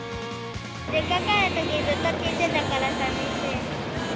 実家帰るとき、ずっと聴いてたから、さみしい。